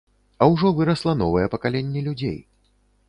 А ўжо вырасла новае пакаленне людзей.